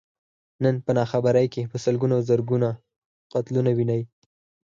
نن په ناخبرۍ کې په سلګونو او زرګونو قتلونه ويني.